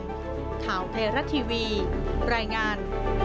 นโยบายส่วนกลางข่าวเทราะทีวีแปรงงาน